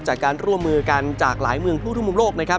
จากการร่วมมือกันจากหลายเมืองทั่วทุ่มมุมโลกนะครับ